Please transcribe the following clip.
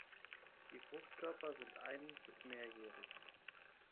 Die Fruchtkörper sind ein- bis mehrjährig.